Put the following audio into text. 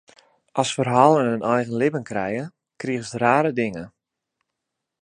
As ferhalen in eigen libben krije, krigest rare dingen.